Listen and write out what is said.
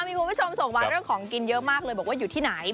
มีคุณผู้ชมส่งมาเรื่องของกินเยอะมากเลยบอกว่าอยู่ที่ไหน